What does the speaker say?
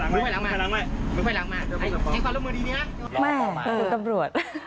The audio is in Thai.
แม่ตำรวจ